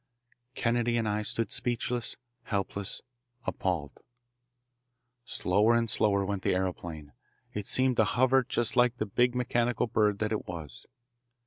Kennedy and I stood speechless, helpless, appalled. Slower and slower went the aeroplane. It seemed to hover just like the big mechanical bird that it was.